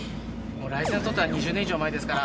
ライセンス取ったの２０年以上前ですから。